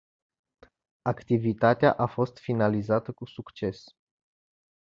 Activitatea a fost finalizată cu succes.